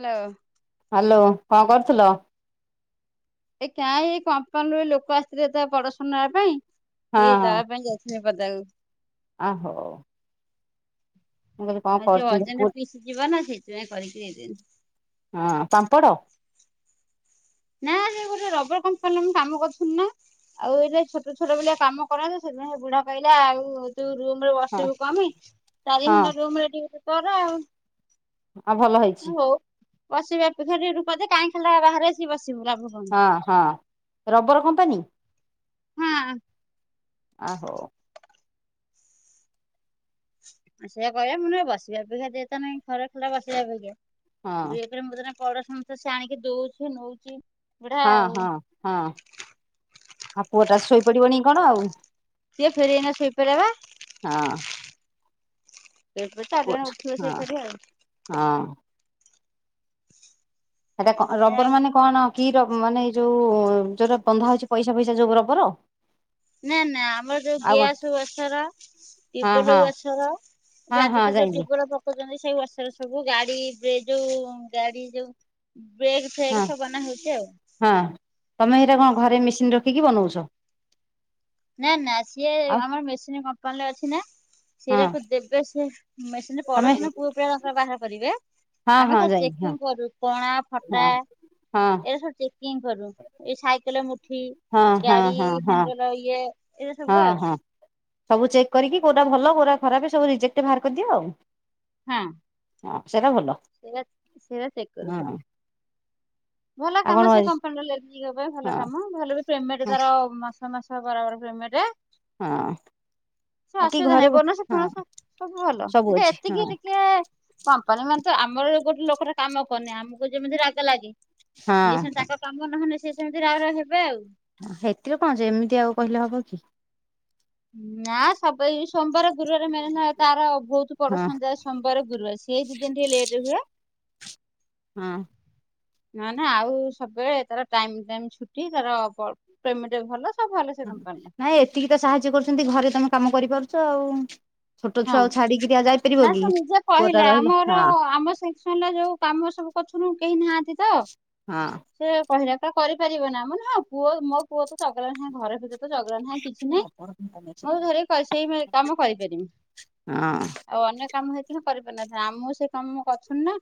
Hello hello କଣ କରୁଥିଲ? ଏ କାଁ ଏଇ କମ୍ପାନୀରୁ ଲୋକ ଆସିଥିଲେ ତ ପଡ଼କ୍ସନ୍ ନେବା ପାଇଁ ହଁ ଏଇ ହଁ ଦେବା ପାଇଁ ଯାଇଥିଲି। ପଦାକୁ। ଆ ହୋଉ। ମୁ କହିଲି କଣ ଆଉ ଯୋଉ କରୁଛନ୍ତି ଅର୍ଜେଣ୍ଟ ପୁ ପିସ୍ ଯିବ ନା ସେଇଥିପାଇଁ କରିକି ଦେଇଦେନି। ହଁ ପା ପଡ଼? ନା ସେ ଗୋଟେ ରବର କମ୍ପାନୀରେ ମୁଁ କାମ କରୁଥିନୀ ନା। ଆଉ ଏଇଟ ଛୋଟ ଛୋଟ ଭଳିଆ କାମ କରନ୍ତି ସେଇଥିପାଇଁ ସେ ବୁଢା କହିଲା ଆଉ ଯୋଉ ରୁମ ରେ ହଁ ବସିବୁ କଣ ପାଈଁ ଚାରି ହଁ ଘଣ୍ଟା ରୁମରେ ଡିଉଟି କର ଆଉ। ଆଉ ଭଲ ହେଇଛି। ହଉ ବସିବା ଅପେକ୍ଷା ଟିକେ ରୂପଦେ କାଇଁ ଖାଲିଟା ବାହାରେ ଆସିକି ବସିବୁ ଲାଭ କଣ। ହଁ ହଁ ରବର କମ୍ପାନୀ। ହଁ। ଆ ହୋଉ। ଆ ସେଇଆ କହିଲା ମୁଁ କନି ବସିବା ଅପେକ୍ଷା ଦେ ତାନେ ଘରେ ଖାଲିଟା ବସିବା ଅପେକ୍ଷା ହଁ [unintelligible] ପ୍ରଡକ୍ସନ ସେ ଆଣିକି ଦଉଛି ନଉଛି ବୁଢା ହଁ ଆଉ ହଁ ହଁ ଆଉ ପୁଅଟା ଶୋଇପଡିବନି କଣ ଆଉ? ସିଏ ଫେରେ ଏଇନା ଶୋଇପଡ଼ିଲା ବା। ହଁ [unintelligible] ଚାରି ପୁଅ ଜଣ ଉଠିବ ହଁ ସେଫରେ ଆଉ। ହଁ ସେଟା କ ସେୟା ରବର ମାନେ କଣ? କି ର ମାନେ ଏଇ ଯୋଉ ଯୋଉଟ ବନ୍ଧା ହଉଛି, ପଇସା ଫଇସା ଯୋଉ ରବର। ନା ନା ଆମର ଯଉ ଆଉ କଣ ଗେଆସ ୱାସର୍। ହଁ ଟ୍ୟୁବଲ ହଁ ୱାସର ହଁ ଯୋ ହଁ ଅଜିକାଲି ଯାଇଲି ଟ୍ୟୁବ୍ ଲ ପକଉଛନ୍ତି। ସେ ୱାଶର ସବୁ ଗାଡି ବ୍ରେ ଯୋଉ ଗାଡି ଯୋଉ ବ୍ରେକ୍ ହଁ ଫ୍ରେକ୍ ସବୁ ବନା ହଉଛି ଆଉ ହଁ ତମେ ଏଇଟା କଣ, ଘରେ ମେସିନ୍ ରଖିକି ବନଉଛ। ନା ନା ସିଏ ଆଉ ଆମର ମେସିନ କମ୍ପାନୀରେ ଅଛି ନା ହଁ ସେରାକୁ ଦେବେ ସେ ମେସିନ୍ ତମେ ପଡକ୍ସନ ପୁଅ ପିଲା ତାଙ୍କର ବାହାର କରିବେ। ହଁ ଆମେ ହଁ ଖାଲି ଯାଇଲି ହଁ ଚେକିଂ କରୁ କଣା ଫଟା। ହଁ ହଁ ଏରା ସବୁ ଚେକିଂ କରୁ ଏଇ ସାଇକେଲ ମୁଠି ହଁ ଗାଡି ହଁ ହଁ ହଁ ହେଣ୍ଡଲ ଏଇ ଏଇରା ସବୁ ହଁ ଆଉ। ହଁ ସବୁ ଚେକ୍ କରିକି କେଉଁଟା ଭଲ କେଉଁଟା ଖରାପ ସବୁ ରିଜେକ୍ଟ ବାହାର କରିଦିଅ ଆଉ। ହଁ। ହଁ ସେଇଟା ଭଲ ସେରା ସେରା ଚେକ୍ କରୁ ଖାଲି। ହଁ ଭଲ ଆଉ କଣ କାମ ସେ ହଁ କମ୍ପାନୀ ଲେଡିସ୍ ଙ୍କ ପାଇଁ ଭଲ ହଁ କାମ ଭଲ ବି ପେମେଣ୍ଟ ତାର ମାସ ମାସ ତ ବରାବର ପେମେଣ୍ଟ। ହଁ। ସେ କି ଅସୁବିଧା ଘରେ ନାହିଁ ବନସ ଫସ ସବୁ ଭଲ ସବୁ ଅଛି ହଁ ଏତିକି ଟିକେ ପାପା ନ ମ ଆମର ଗୋଟେ ଲୋକଟା କାମ କନେ ଆମକୁ ଯେମିତି ରାଗ ଲାଗେ ଆଉ ହଁ ସିଏ ସେ ତାଙ୍କ କାମ ନହଲେ ସେ ସେମିତି ଆର ହେବେ ଆଉ। ସେଥିରେ କହ ଏମିତି ଆଉ କହିଲେ ହବ କି? ନା ସବ ଏଇ ସୋମବାର ଗୁରୁବାର ମାନ ନ ତାର ବହୁତ ହଁ ପଡ଼ଶ ଯାଏ ସୋମବାର ଗୁରୁବାର ସେଇ ଦି ଦିନ ଟିକେ ଲେଟ ହୁଏ। ହଁ। ନ ନା ଆଉ ସବୁବେଳେ ତାର ଟାଇମ ଟାଇମ ଛୁଟି ତାର ପ୍ରେମଟ ଭଲ। ସବୁ ଭଲ ସେ ହ କମ୍ପାନୀର ନାଇଁ ଏତିକି ତ ସାହାଯ୍ୟ କରୁଛନ୍ତି ଘରେ ତମେ କାମ କରିପାରୁଛ ଆଉ। ଛୋଟ ଛୁଆ ହଁ ଆଉ ଛାଡିକିରି ଆଉ ଯାଇପାରିବ ନା କି ସେ ନିଜେ ପୁଅଟା କହିଲେ ରହିଲା ଆମର ହଁ ଆମ ସେକସନ ଯୋଉ କାମ ସବୁ ପଛୁନୁ କେହି ନାହାନ୍ତି ତ। ହଁ। କହିଲ ଟା କରିପାରିବ ନା ଆମର ହଁ ପୁଅ ମୋ ପୁଅ ତ ସ ଘର ଭିତରେ ଝଗଡ଼ା ନାଁ କିଛି ନାଇଁ ହଁ ମୁଁ ଥରେ ସେଇ କାମ କରିପାରମି। ଆଉ ଅନେକ କାମ ହେଇଥିଲା କରିପାରିନଥାନ୍ତି ଆମକୁ ସେ କାମ କରୁଥିନି ନା।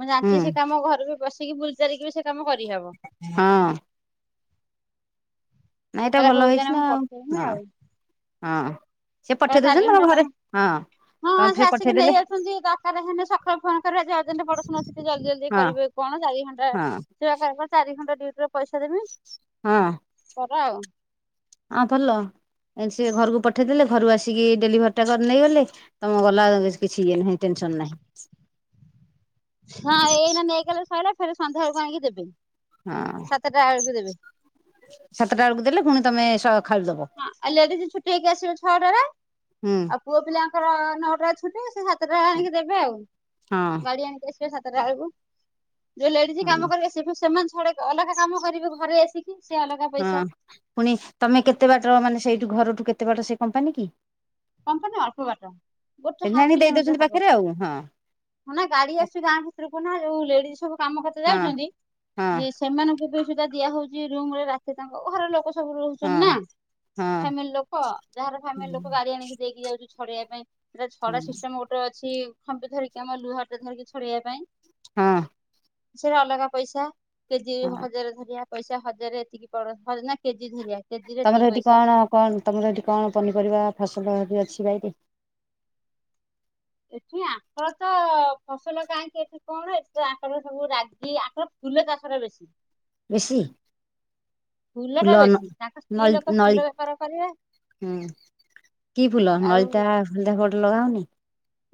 ମୁଁ ହୁଁ ଜାଣିଛି ସେ କାମ ଘର ବି ବସିକି ବୁଲିଚାରିକି ବି ସେ କାମ କରିହବ। ହଁ ନାଇଁ ଏଟା ହେଲେ ଭଲ ହଉ ହେଇଛି ତାହେଲେ ନା ମୁଁ ଆଉ ପଠେଇମି ହଁ ଆଉ ହଁ। ସେ ତାହେଲେ ପଠେଇ ଚାରି ଦଉଛନ୍ତି ତମ ଘଣ୍ଟା ଘରେ ତମେ ହଁ। ହଁ ତମେ ସେ ଆସିକି ନେଇ ପଠେଇଦେଲେ ଯାଉଛନ୍ତି ଦରକାର ହେଲେ ସକାଳୁ ଫୋନ କରିବା ଯାଉ ପଡଶୁଣା ଅଛି କି ଜଲଦି ଜଲଦି ହଁ କରିବେ କଣ ଚାରି ଘଣ୍ଟା ହଁ ସେ ଚି ଘଣ୍ଟା ଡ ପଇସା ଦେବି କର ଆଉ। ହ ଭଲ। ସେ ଘରକୁ ପଠେଇଦେଲେ ଘରୁ ଆସିକି ଡେଲିଭରି ଟା କରି ନେଇ ଗଲେ ତମ ଗଲାବେଳକୁ ସି ନଁ ଟେନସନ ନାହିଁ। ହଁ ଏଇନା ନେଇଗଲେ ସଇଲା ଫେରେ ସନ୍ଧ୍ୟା ବେଳକୁ ଆଣିକି ଦେବେ। ହଁ ସାତଟା ବେଳକୁ ଦେବେ ସାତଟା ବେଳକୁ ଦେଲେ ପୁଣି ତମେ ଖାଇକି ଦବ ହଁ ଆ ଲେଡି ଜିନିସ ନେଇକି ଆସିବ ଛଅଟାରେ ହୁଁ ଆଉ ପୁଅ ପିଲା ତାର ନଅଟା ଛୁଟ ସେ ସାତଟା ଆଣିକି ଦେବେ ଆଉ ହଁ ବାଡି ଆଣିକି ଆ ସାତଟା ବେଳକୁ ଯୋଉ ଲେଡିଜ ହଁ କାମ କରିବେ ସେମାନେ ଛଡ ଅଲଗା କାମ କରିବେ ଘରେ ଆସିକି। ସେ ଅଲଗା ହଁ ପଇସା ପୁଣି ତମେ କେତେ ବାଟ ମାନେ ସେଇଠୁ ଘରଠୁ କେତେ ବାଟ ସେ କମ୍ପାନୀ କି? କମ୍ପାନି ଅଳ୍ପ ବାଟ ଗୋଟ ସେଦିନ ହାପ୍ ଆଣି ଦେଇ କିଲୋମିଟର ଦଉଛନ୍ତି ହବ। ପାଖରେ ଆଉ ହଁ ହଁ ନା ଗାଡି ହଁ ଆସୁଛି ଗାଁ ଭିତରକୁ ନା ଯୋଉ ଲେଡି ସବୁ କାମ କରୁଛନ୍ତି ହଁ ଯାଉଛନ୍ତି। ହଁ ସେମାନଙ୍କୁ ବି ସୁଧା ଦିଆ ହଉଛି ରୁମରେ ରାତି ତାଙ୍କ ଘର ଲୋକ ସବୁ ରହୁଛନ୍ତି ନା ହଁ। ଫାମିଲି ଲୋକ ଯାହାର ଫାମିଲି ଲୋକ ଗାଡି ଆଣିକି ଯାଉ ଛଡେଇବା ପାଇଁ ଛଡା ସିଷ୍ଟମ ଗୋଟେ ଅ ଛି ଖମ୍ପି ଧରିକି ଆମ ଲୁହାଟେ ଧରିକି ଛଡେଇବା ପାଇଁ। ହଁ। ସେଟା ଅଲଗା ପଇସା କେ ଦି ହଁ ହଜାର ଧରିବା ପଇସା ହଜାରରେ ଏତିକି ପଡ଼ [unintelligible] ନା କେଜି ଧରିବା? କେଜିରେ ତମର ଏତିକି ସେଠି ପଇସା। କଣ କଣ ତମର ସେଠି କଣ ପନିପରିବା ଫସଲ ହେଠି ଅଛି? କିିବାଇ ଡେ କି ଆଙ୍କର ତ ଫସଲ କାହିଁକି ଏଠି କଣ ଏଠି ତ ଆଙ୍କର ସବୁ ରାଗି ଆଙ୍କର ଫୁଲ ଚାଷ ଘରେ ବେଶୀ। ବେଶୀ? ଫୁଲ ଟା ବେଶୀ ତାଙ୍କ ସ୍ତ୍ରୀ ନଳି ଲୋକ ନଳି ଫୁଲ ବେପାର କରିବେ। ହୁଁ କି ଫୁଲ ଆଉ ନଳିତା ଫୁଲଟା କୋଉଠି ଲଗା ହୋଉନି?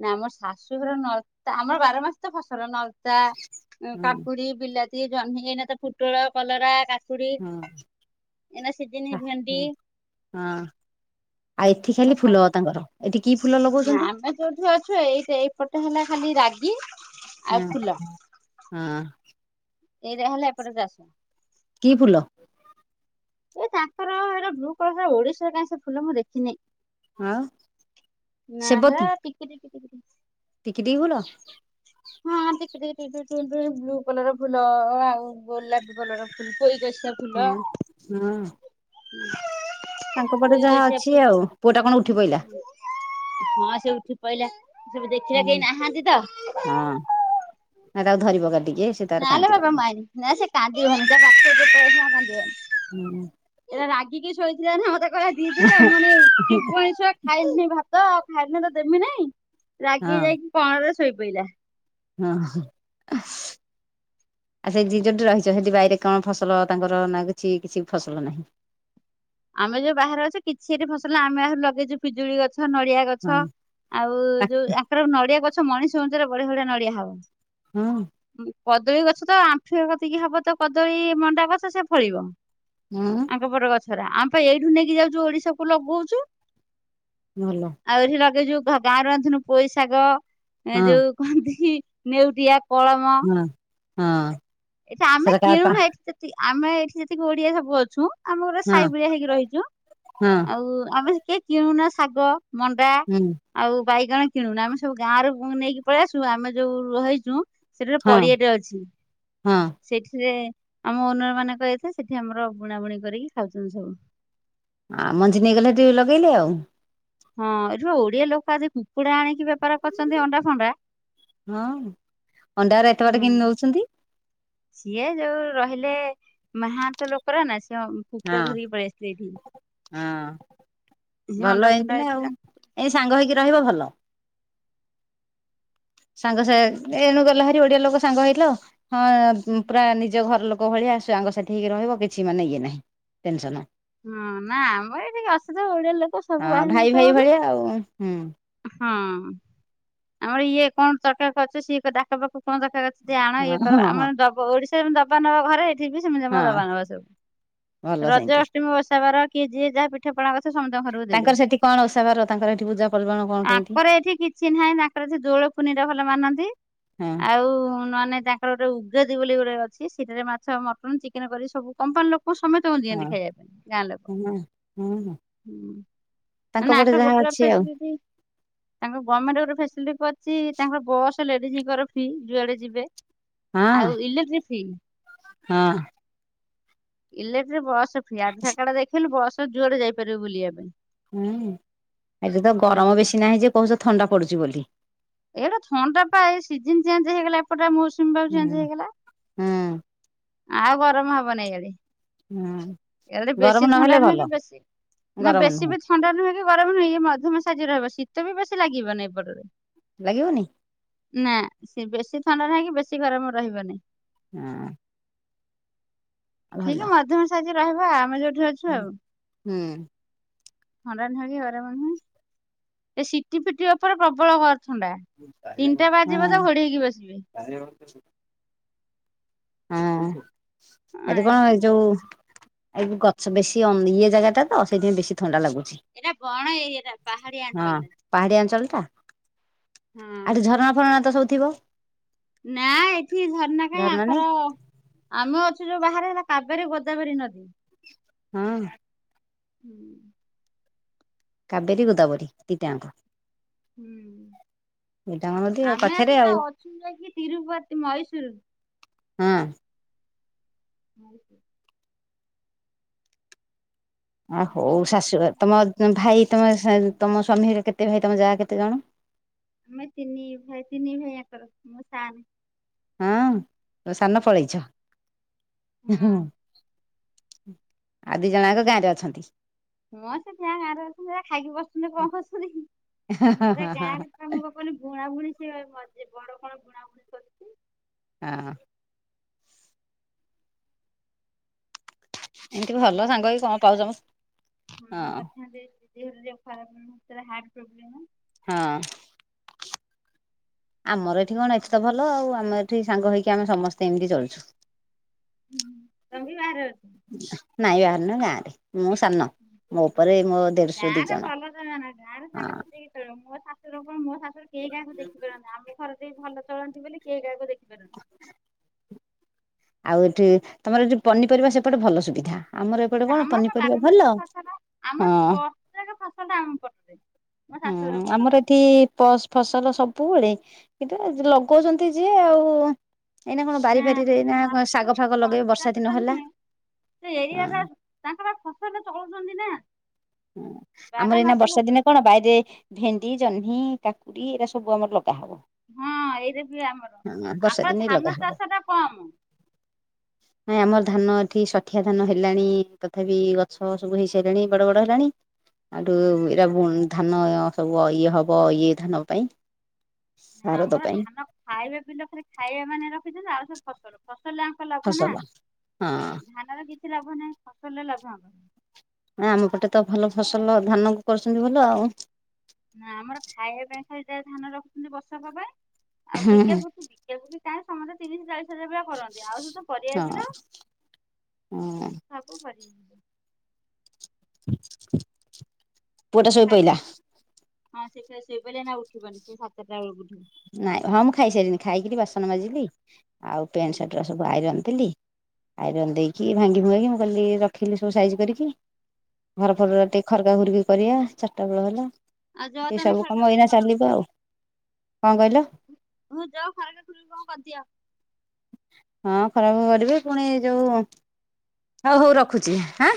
ନା ଆମର ଶାଶୁଘର ନଳିତା ଆମର ବାର ମାସ ତ ଫସଲ ନଳ ତା ହଁ କାପୁଡି ବିଲାତି ଜହ୍ନି ଏଇନା ତ ପୁଟଳ କଲରା କା- କୁଡି ହଁ ଏନା ସଜିନୀ ହଁ ଭେଣ୍ଡି। ହଁ ଆଉ ଏଠି ଖାଲି ମସ ଫୁଲ ତାଙ୍କର ଏଠି କି ଫୁଲ ନାଁ ଲଗଉଛନ୍ତି ଆମେ ଯୋଉଠି ଅ ଛୁ ଏଇ ସେଇପଟେ ହେଲା ଖାଲି ରାଗି ଆଉ ହଁ ହଁ। ଏଇରା ହେଲା ଏପଟେ ଚାଷ। କି ଫୁଲ? ଏ ତାଙ୍କର ହେରା ବ୍ଲୁ କଲର ଓଡିଶାରେ କାଇଁ ସେ ଫୁଲ ମୁଁ ଦେଖିନି। ଆଉ? ନା ସେବତୀ ହେଲା ଟିକି ଟିକି ଟିକି ଟିକି ଟିକି ଫୁଲ? ହଁ ଟିକି ଟିକି ଟି ଟୁଁ ଟୁଁ ବ୍ଲୁ କଲର ଫୁଲ ଆଉ ଗୋଲାପି କଲର ଫୁ ପୋଇ କସି ହଁ ହଁ। ହୁଁ ତାଙ୍କ ପଟେ ଯାହା ଅଛି ଆଉ। ପୁଅ ଟା କଣ ଉଠି ପଇିଲା? ହଁ ସେ ଉଠି ପଇଲା ସବୁ ଦେଖିଲା କେହି ନାହାନ୍ତି ତ। ନାଁ ତାକୁ ଧରିବ ଗାଲି। ନଲେ ବାବା ମାାଇ ନା ସେ କାନ୍ଦିବନି ପା ପାଖରେ [inaudible] କାନ୍ଦିବନି। ହୁଁ। କି ଶୋଇଥିଲା ନା ମତେ କହିଲା ଦିଦି ତମର [inaudible] ଖାଇ ପିଇ ଭା ତ ଖାଇଥିଲେ ତତେ ଦେମି ନାଇଁ ରାଗି ଯାଇକି କଣରେ ଶୋଇପଇଲା। ହଁ। ଆଚ୍ଛା ସେ ଜି ଯୋଉଠି ରହିଛ ସେଠି ବାଇରେ କଣ ଫସଲ ତାଙ୍କର ନାଗୁଛି କିଛି ଫସଲ ନାହିଁ। ଆମେ ଯୋଉ ବାହାରେ ଅଛ କିଛି ଏଠି ଫସଲ ଆମେ ଆହୁରି ଲଗେଇଛୁ ପିଜୁଳି ଗଛ ନଡିଆ ହଁ ଗଛ ଆଉ ଯୋଉ ଆଙ୍କର ନଡିଆ ଗଛ ମଣିଷ ଉଞ୍ଚାରେ ବଢିଆ ବଢିଆ ନଡିଆ ହବ। ହଁ। କଦଳୀ ଗଛ ତ ଆଣ୍ଠୁଆ କତିକି ହବ ତ କଦଳୀ ମଣ୍ଡା ଗଛ ସେ ଫଳିବ। ହଁ ଆଙ୍କ ପଟ ଗଛରେ ଆମେ ପା ଏଇଠୁ ନେଇକି ଯାଉଛୁ ଓଡିଶାକୁ ଲଗଉଛୁ। ଭଲ ଆଉ ଏଠି ଲଗେଇଚୁ ଗାଁରୁ ଆଣିଥିଲୁ ପୋଇଶାଗ ହଁ ଏ ଯୋଉ କୁହନ୍ତି କି ନେଉଟିଆ ପଳମ। ହଁ ହଁ। ଏଠି ଆମେ ସେଟା କା ପା କିଣୁନା ଏଠି ଯେତିକି ଆମେ ଏଠି ଯେତିକି ଓଡିଆ ସବୁ ଅଛୁ। ଆମ ଗୋଟେ ହଁ ସାଇ ଭଳିଆ ହେଇକି ରହିଛୁ ହଁ ଆଉ ଆମେ କିଏ କିଣୁନା ଶାଗ ମଣ୍ଡା ହୁଁ ଆଉ ବାଇଗଣ କିଣୁନ ଆମେ ସବୁ ଗାଁରୁ ନେଇକି ପଳେଇ ଆସୁ ଆମେ ଯୋଉ ରହିଛୁ। ସେଠାରେ ହଁ ପଡିଆଟେ ଅଛି। ହଁ। ଯେ ଆମ ଓନର ମାନେ କହିଥେ ସେଠି ଆମର ବୁଣାବୁଣି କରିକି ଖାଉଛନ୍ତି ସବୁ। ଆଁ ମଞ୍ଜି ନେଇଗଲେ ଟିକେ ଲଗେଇଲେ ଆଉ। ହଁ ଏଠି ଓଡିଆ ଲୋକ ଆଜି କୁକୁଡ଼ା ଆଣିକି ବେପାର କରୁଛନ୍ତି ଅଣ୍ଡା ଫଣ୍ଡା ହଁ ଅଣ୍ଡାଉରା ଏତେ ବାଟ ହୁଁ। କେମତି ନଉଛନ୍ତି? ସିଏ ଯୋଉ ରହିଲେ ମାହାନ୍ତ ଲୋକର ନା ସେ କୁକଡ଼ା ହଁ ଧରି ପଳେଆସିଲେ ଏଠିକି। ହଁ ସେ ଅଣ୍ଡା ଭଲ ଫଣ୍ଡା ହେଇତି ନା ଆଉ ହେଇଥିଲା। ଏଇ ସାଙ୍ଗ ହେଇକି ରହିବ ଭଲ। ସାଙ୍ଗ ସା ଏଣୁ ଗଲେ ଭାର ଓଡିଆ ଲୋକ ସାଙ୍ଗ ହେଇଲ ହଁ ପୁରା ନିଜ ଘର ଲୋକ ଙ୍କ ଭଳିଆ ସାଙ୍ଗସାଥି ହେଇକି ରହିବ କିଛି ମାନେ ଇଏ ନାହିଁ ଟେନସନ୍ ହୁଁ ନା ଆମେ ଏଠି କାହା ସହିତ ଓଡିଆ ଲୋକ ସବୁ ହଁ ବାହାରିବୁ ଭାଇ ତ ଭାଇ ଘରୁ। ଭଳିଆ ଆଉ ହୁଁ। ହଁ ଆମର ଇଏ କଣ [inaudible] ସିଏ ଡାକ ପାଖକୁ କଣ କଖା କଛି ଯେ ଆଣ ଇଏ ହଁ କର ହଁ ଆମର ହଁ ଦବା ଓଡିଶାରେ ଦବା ନବା ଘରେ ଥି ସେମିତି ମୋ ଦବ ହଁ ନବା ସବୁ ଭଲ ରଜ ସେମିତି ଅଷ୍ଟମୀ ଓସାବାର କିଏ ଯିଏ ଯାହା ପିଠ ପଣା କରିଥିବ ତାଙ୍କର ସେଠି କଣ ଓସାବାର ତାଙ୍କର ସେଠି ପୂଜା ପର୍ବାଣ କଣ କେମିତି ତାଙ୍କର ଏଠି କିଛି ନାହିଁ ତାଙ୍କର ଏଠି ଦୋଳ ପୁନେଇଁରେ ଭଲ ମାନନ୍ତି। ହଁ ଆଉ ନୂଆ ନାହିଁ ତାଙ୍କର ଯୋଉ ଦୀ ବୋଲି ଗୁଟେ ଅଛି ସେଠାରେ ମାଛ ମଟନ୍ ଚିକେନ କରି ସବୁ କମ୍ପାନୀ ଲୋକଙ୍କୁ ସମେତଙ୍କୁ ଦିଅନ୍ତି ଖାଇବା ପାଇଁ। [unintelligible] ହୁ। [unintelligible] ତାଙ୍କର ଯାହା ଅଛି ଗଭର୍ଣ୍ଣମେଣ୍ଟ ଆଉ ଗୋଟେ ଫସିଲିଟି ଅଛି ତାଙ୍କର [unintelligible] ଯୁଆଡେ ଯିବେ ଆଉ ଇଲେକ୍ଟ୍ରିକ ଫି ହଁ। Electric bus fee Aadhaar card ଦେଖିଲୁ ବସ ଜୁଆଡ଼େ ଯାଇପାରିବୁ ବୁଲିବା ପାଇଁ। ହୁଁ ଏଠି ତ ଗରମ ହୁଁ ବେଶୀ ନାହିଁ ଯେ କହୁଛ ଥଣ୍ଡା ପଡୁଛି ବୋଲି। ଏଇଟା ଥଣ୍ଡ ଟା ପା ସିଜନ ଚେଞ୍ଜ ହେଇଗଲା ଏପଟା ମୁଁ ହୁଁ ହୁଁ। ଆଉ ଗରମ ହବନି ଏଇ ଆଡ଼େ। ହୁଁ। ଏ ଗରମ ବେଶୀ ଥଣ୍ଡା ନହେଲେ ନୁହେଁ ଭଲ କି ବେଶୀ ନା ଗରମ ବେଶୀ ନୁହଁ ବି ଥଣ୍ଡା ନୁହେଁ କି ଗରମ ନୁହଁ ମଧ୍ୟମ ସାଇଜ୍ ର ହବ ଶୀତ ବି ବେଶୀ ଲାଗିବନି ଏପଟରେ। ଲାଗିବନି? ନା ସେ ବେଶୀ ଥଣ୍ଡା ନାହିଁ କି ବେଶୀ ଗରମ ରହିବନି। ହଁ। ଠିକ ମଧ୍ୟମ ସାହାଯ୍ୟ ରହିବା ଆମେ ଯୋଉ ହ ହୁଁ। ଥଣ୍ଡା ନୁହେଁକି ଗରମ ନୁହେଁ ଏ ସିଟି ପିଟି ଉପରେ ପ୍ରବଳ ଘର ଥଣ୍ଡା ତିନିଟା ବାଜିବ ହଁ ତ ଘୋଡେଇ ହେଇକି ବସିବେ। ହଁ ଏଠି କଣ ଆଜ୍ଞା ଯୋଉ ଏ ଗଛ ବେଶୀ ଏ ଜାଗାଟା ତ ସେଥିପାଇଁ ବେଶୀ ଥଣ୍ଡା ଲାଗୁ ଏଇଟା ବଣ ଏରିଆଟା ପାହାଡିଆ ଅଞ୍ଚଳଟା। ଆଠ ଝରଣା ଫରଣା ତ ସବୁ ଥିବ? ନା ଏଠି ଝରନା କାହିଁ ଝରଣା ନାଇଁ [unintelligible] ଆମେ ଅଛୁ ଯୋଉ ବାହାରେ ହେଲା କାବେରୀ ଗୋଦାବରୀ ନଦୀ। ହଁ। ହୁଁ। କାବେରୀ ଗୋଦାବରୀ ଦିଟା ଆଙ୍କ ହୁଁ। ନଦୀ ଆଉ ଆମେ ପାଖରେ ଆସିକି ପା ଆଉ ଅଛୁ ଯାଇକି ତିରୁପତି ମହୀଶୂର ହୁଁ। [inaudible] ଆ ହଉ ମହେଶରୁ ଶାଶୁ କଥା ଘର ତମ ଭାଇ ତମେ ତମ ସ୍ୱାମୀ ହେରିକା କେତେ ଭାଇ ତମ ଯା କେତେ ଜଣ? ଆମେ ତିନି ଭାଇ ତିନି ଭାଇ ୟାଙ୍କର ମୁ ସାନ୍। ହଁ ସାନ ପଳେଇଛ ହଁ ଆର ଦି ଜଣ ଜାଙ୍କ ଗାଁ ରେ ଅଛନ୍ତି। ହଁ [unintelligible] ଗାଁ ରେ ଅଛନ୍ତି ହେରା ଖାଇକି ବସିଛନ୍ତି କଣ କରୁଛନ୍ତି [unintelligible] ବୁଣା ବୁଣି ସେ ମେ ବଡ କଣ ବୁଣାବୁଣି କରୁଛି। ହଁ। ଏମିତି ଭଲ ସାଙ୍ଗ ମଧ୍ୟରେ ହେଇକି କଣ [unintelligible] ପାଉଛ ମ ହଁ ମଧ୍ୟରେ [unintelligible] ଖରାପ ତାର ହାର୍ଟ ପ୍ରୋବ୍ଲେମ୍ ହଁ। ଆମର ଏଠି କଣ ଏତେ ତ ଭଲ ଆଉ ଆମ ଏଠି ସାଙ୍ଗ ହେଇକି ଆମେ ସମସ୍ତେ ଏମିତି ଚଳୁଛୁ। ତମେ ବି ବାହାରେ ଅଛ ନାଇଁ ବାହାରେ ନୁହ ଗାଁରେ। ମୁଁ ସାନ ମୋ ଉପରେ ମୋ ଦେଢଶୁ ଦି ଗାଁରେ ଜଣ ଭଲ ଚଳନା ଗାଁରେ ହଁ। ସାଙ୍ଗସାଥି ହେଇକି ଚଳିବ [unintelligible] ମୋ ଶାଶୁଘର କେହି କାହାକୁ ଦେଖି ପାରନ୍ତିନି ଆମ ଘରେ ଟିକେ ଭଲ ଚଳନ୍ତି ବୋଲି କେହି କାହାକୁ ଦେଖି [unintelligible] ଆଉ ଏଠି ତମର ସେଠି ପନିପରିବା ସେପଟେ ଭଲ ସୁବିଧା ଆମର ଏପଟେ କଣ ଆମର ପା ପନିପରିବା ବାର ଭଲ ମାସି ଫସଲ ଆମର ହଁ ପ୍ରତ୍ୟେକ ଫସଲଟା ଆମ ପଟରେ। ମୋ ହୁଁ ଶାଶୁଘର ଆମର କରନ୍ତି ଏଠି ପ ଫସଲ ସବୁବେଳେ କିନ୍ତୁ ଲଗଉଛନ୍ତି ଯିଏ ଆଉ ଏଇନା କଣ ନା ବାରି ମୋ ଫାରିରେ ଏଇନା ଶାଶୁଘର ଶାଗ ସେ ଫାଗ ଲଗେଇବେ ବର୍ଷା ଦିନ ପଞ୍ଚାୟତଟା ହେଲା ନୁହେଁ ସେ ହ ଏରିଆଟା ତାଙ୍କର ଫସଲ ଚଳୁଛନ୍ତି ନା ହଁ ଆମର ବାର ଏଇନା ମାସି ବର୍ଷା ଫସଲ ଦିନେ କଣ ବାଇରେ ଭେଣ୍ଡି ଜହ୍ନି କାକୁଡି ଏଇରା ସବୁ ଆମର ଲ ହଁ ଏଇରା ବି ଆମର ହଁ ବର୍ଷା ଆମର ଦିନେ ଲଗା ଧାନ ହବ ଚାଷ ଟା କମ [inaudible] ନାଇଁ ଆମର ଧାନ ଏଠି ଶଠିଆ ଧାନ ହେଲାଣି ତଥାପି ଗଛ ସବୁ ହେଇ ସାରିଲାଣି ବଡ ବଡ [unintelligible] ଏଇରା ଧାନ ସବୁ ଇଏ ହବ ଇଏ ଧାନ ପାଇଁ ଶାରଦ ଆମର ପାଇଁ ଧାନ ଖାଇବା [unintelligible] ଖାଇବା ମାନେ ରଖିଛନ୍ତି ଆଉ ସବୁ ଫସଲ ଫ ଫସଲ ୟାଙ୍କ ଲାଭ ନା ଫସଲ ହଁ ଧାନର କିଛି ଲାଭ ନାହିଁ ଫସଲରେ ଲାଭ ୟାଙ୍କର। ଆମ ପଟେ ତ ଭଲ ଫସଲ ଧାନ କରୁଛନ୍ତି ଭଲ ଆଉ। ନା ଆମର ଖାଇବା ପାଇଁ ଖାଲି ଯାହା ଧାନ ରଖୁଛନ୍ତି ବସା ହବା ପାଇଁ ଆଉ ହୁଁ ବିକା ବୁକି ବିକା ବୁକି [unintelligible] ସମସ୍ତେ ତିରିସ୍ ଚାଳିଶ [unintelligible] କରନ୍ତି ଆଉ ସବୁ ତ ହଁ ପରିବା ବିଲ ହଁ [unintelligible] [inaudible] ପୁଅଟା ଶୋଇ ପଇଲା ଖାଇସାରିକି ହଁ ସେତ ଶୋଇ ପଇଲା ନା ଏଇନା ଆଉ ଉଠିବନି ସେ ସାତଟା ବେଳକୁ ଉଠିବ। ନାଇଁ ହଁ ମୁଁ ଖାଇସାରିଲିଣି ଖାଇକିରି ବାସନ ମାଜିଲି ଆଉ ହୁଁ। ପ୍ୟାଣ୍ଟ ସାର୍ଟ ରା ସବୁ ଆଇରନ ଦେଲି ଆଇରନ୍ ଦେଇକି ଭାଙ୍ଗି ଭୁଙ୍ଗାକି ମୁଁ ଗଲି ରଖିଲି ସବୁ ସାଇଜ୍ କରିକି ଘର ଫର ଟିକେ ଖରକା ଖରକି କରିବା ଚାରିଟା ବେଳ ହେଲା। ଆଉ ଜଅ ଏ ତାନେ ସବୁ ଖରକା କାମ ଖୁରୁକି ଏଇନା ଚାଲିବ ଆଉ କଣ କହିଲ ହ ଯାଅ ଖରାକ ଖରିକି କଣ କରିଦିଅ ହଁ ଖରାକ କରିବେ ପୁଣି ଯୋଉ ହଉ ହଉ ରଖୁଛି ହାଁ।